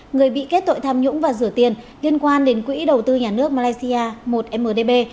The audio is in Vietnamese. người bị kết tội tham nhũng và rửa tiền liên quan đến quỹ đầu tư nhà nước malaysia một mdb